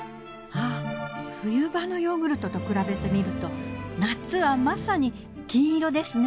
冬場のヨーグルトと比べてみると夏はまさに金色ですね。